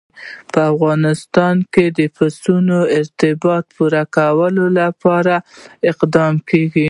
په افغانستان کې د پسه د اړتیاوو پوره کولو لپاره اقدامات کېږي.